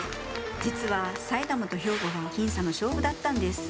実は、埼玉と兵庫は僅差の勝負だったんです。